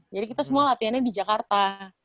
jadi kita semua latihannya di jakarta